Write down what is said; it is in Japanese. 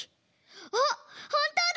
あっほんとうだ！